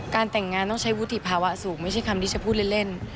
แต่งงานต้องใช้วุฒิภาวะสูงไม่ใช่คำที่จะพูดเล่น